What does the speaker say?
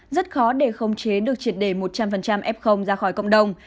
rất khó để khống chế được triệt đề một trăm linh f ra khỏi cộng đồng